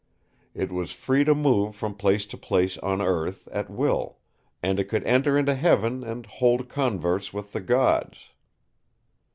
It was free to move from place to place on earth at will; and it could enter into heaven and hold converse with the gods.